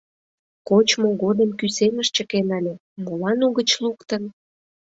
Кочмо годым кӱсеныш чыкен ыле, молан угыч луктын?